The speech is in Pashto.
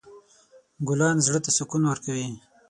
ګلان زړه ته سکون ورکوي.